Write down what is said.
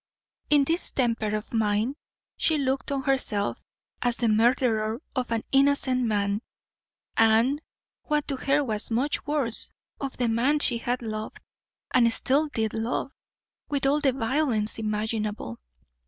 In this temper of mind she looked on herself as the murderer of an innocent man, and, what to her was much worse, of the man she had loved, and still did love, with all the violence imaginable.